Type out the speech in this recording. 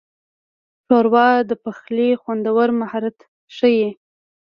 ښوروا د پخلي خوندور مهارت ښيي.